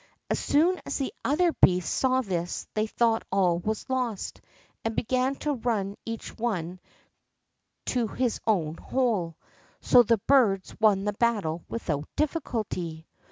As soon as the other beasts saw this, they thought all was lost, and began to run each one to his own hole; so the birds won the battle without difficulty.